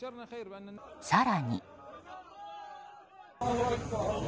更に。